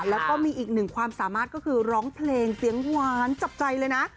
แล้วก็มีอีกหนึ่งความสามารถก็คือร้องเพลงเสียงหวานจับใจเลยนะ